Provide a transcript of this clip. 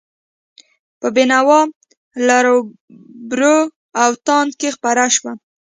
په بینوا، لراوبر او تاند کې خپره کړه.